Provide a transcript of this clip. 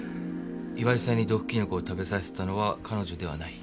岩井さんに毒キノコを食べさせたのは彼女ではない。